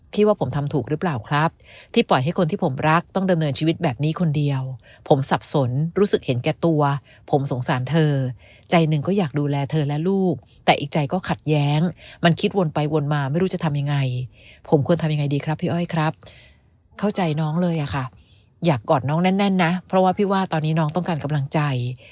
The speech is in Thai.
ว่าผมทำถูกหรือเปล่าครับที่ปล่อยให้คนที่ผมรักต้องดำเนินชีวิตแบบนี้คนเดียวผมสับสนรู้สึกเห็นแก่ตัวผมสงสารเธอใจหนึ่งก็อยากดูแลเธอและลูกแต่อีกใจก็ขัดแย้งมันคิดวนไปวนมาไม่รู้จะทำยังไงผมควรทำยังไงดีครับพี่อ้อยครับเข้าใจน้องเลยอะค่ะอยากกอดน้องแน่นนะเพราะว่าพี่ว่าตอนนี้น้องต้องการกำลังใจ